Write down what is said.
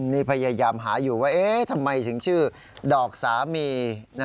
นี่พยายามหาอยู่ว่าทำไมถึงชื่อดอกสามี